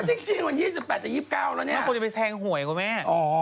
ทางห่วยกูแม่